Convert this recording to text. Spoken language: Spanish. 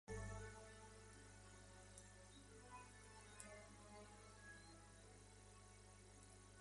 Sus puntos de vista no fueron bien recibidos, especialmente por Albrecht von Haller.